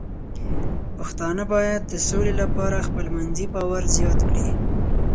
پښتانه بايد د سولې لپاره خپلمنځي باور زیات کړي.